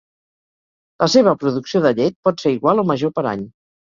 La seva producció de llet pot ser igual o major per any.